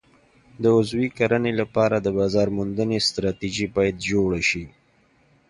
د عضوي کرنې لپاره د بازار موندنې ستراتیژي باید جوړه شي.